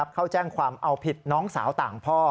เขาแจ้งความเอาผิดน้องสาวต่างพ่อ